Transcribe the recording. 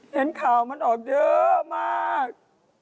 เห็นข่าวมันออกเยอะมาก